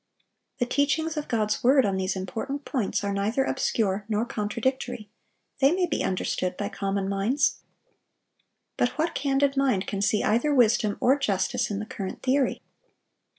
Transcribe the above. The teachings of God's word on these important points are neither obscure nor contradictory; they may be understood by common minds. But what candid mind can see either wisdom or justice in the current theory?